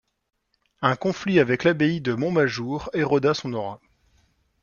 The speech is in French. Un conflit avec l'abbaye de Montmajour éroda son aura.